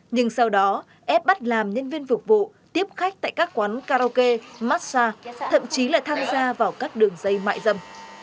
nhưng sau đó ép bắt làm nhân viên phục vụ tiếp khách tại các quán karaoke massage thậm chí là tham gia vào các đường dây mại dâm